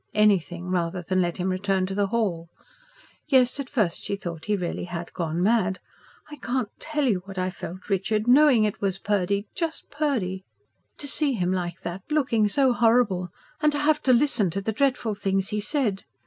Anything rather than let him return to the hall. Yes, at first she thought he really had gone mad. "I can't tell you what I felt, Richard ... knowing it was Purdy just Purdy. To see him like that looking so horrible and to have to listen to the dreadful things he said!